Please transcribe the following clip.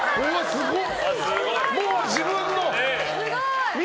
すごい。